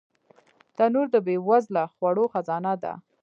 تنور د بې وزله خوړو خزانه ده